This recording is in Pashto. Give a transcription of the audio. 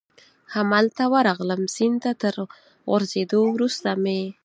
همالته ورغلم، سیند ته تر غورځېدو وروسته مې.